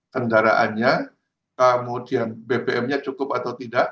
kendaraannya kemudian bbm nya cukup atau tidak